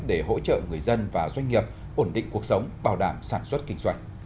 để hỗ trợ người dân và doanh nghiệp ổn định cuộc sống bảo đảm sản xuất kinh doanh